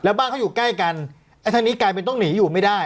แล้วบ้านเขาอยู่ใกล้กันไอ้ทางนี้กลายเป็นต้องหนีอยู่ไม่ได้